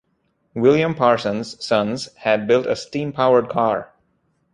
William Parsons' sons had built a steam-powered car.